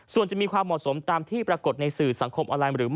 ส่วนจะมีความเหมาะสมตามที่ปรากฏในสื่อสังคมออนไลน์หรือไม่